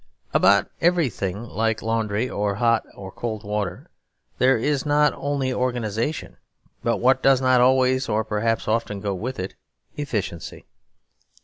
About everything like laundry or hot and cold water there is not only organisation, but what does not always or perhaps often go with it, efficiency.